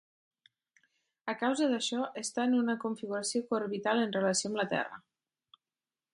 A causa d'això, està en una configuració co-orbital en relació amb la Terra.